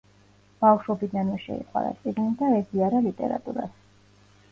ბავშვობიდანვე შეიყვარა წიგნი და ეზიარა ლიტერატურას.